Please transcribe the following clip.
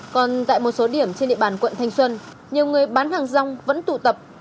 còn tại một số điểm trên địa bàn quận thanh xuân nhiều người bán hàng rong vẫn tụ tập